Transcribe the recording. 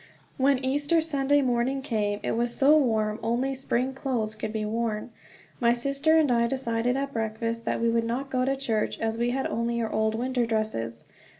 When Easter Sunday morning came it was so warm only spring clothes could be worn. My sister and I decided at breakfast that we would not go to church, as we had only our old winter dresses.